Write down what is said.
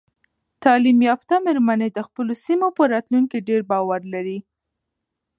تعلیم یافته میرمنې د خپلو سیمو په راتلونکي ډیر باور لري.